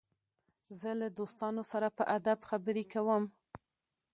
زه له دوستانو سره په ادب خبري کوم.